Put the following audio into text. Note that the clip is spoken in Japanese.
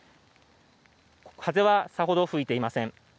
風はさほど吹いていません。